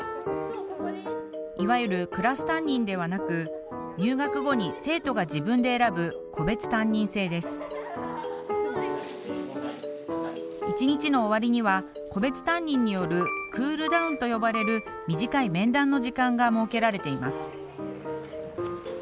いわゆるクラス担任ではなく入学後に一日の終わりには個別担任による「クールダウン」と呼ばれる短い面談の時間が設けられています。